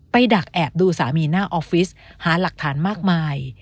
ดักแอบดูสามีหน้าออฟฟิศหาหลักฐานมากมาย